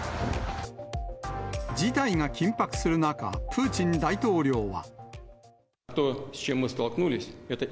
事態が緊迫する中、プーチン大統領は。